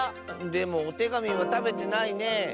でもおてがみはたべてないね。